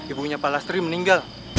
ibu nya pak lastri meninggal